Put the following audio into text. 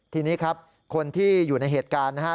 ทีนี้ครับคนที่อยู่ในเหตุการณ์นะฮะ